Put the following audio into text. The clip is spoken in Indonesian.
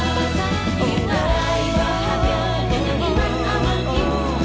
kita raih bahagia dengan iman amanimu